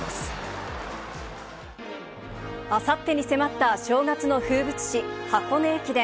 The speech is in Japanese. あさってに迫った正月の風物詩、箱根駅伝。